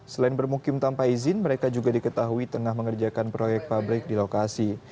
selain bermukim tanpa izin mereka juga diketahui tengah mengerjakan proyek pabrik di lokasi